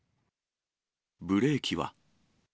ブレーキは？